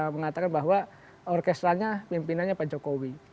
mengatakan bahwa orkestranya pimpinannya pak jokowi